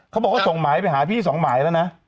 เขาบอกส่งหมายไปหาพี่สองหมายแล้วนะ